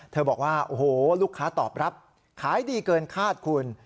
บอกว่าโอ้โหลูกค้าตอบรับขายดีเกินคาดคุณ